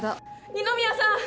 二宮さん！